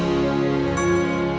salam oww wabarakatuh